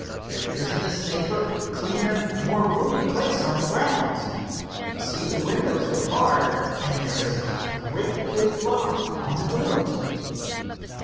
There isn't a safer, cleaner, more roomy place on the grounds. You see the windows are barred and there is a great big lock on the doors."